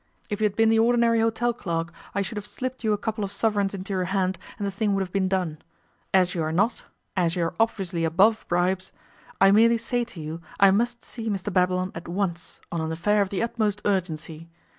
If you had been the ordinary hotel clerk I should have slipped you a couple of sovereigns into your hand, and the thing would have been done. As you are not as you are obviously above bribes I merely say to you, I must see Mr Babylon at once on an affair of the utmost urgency.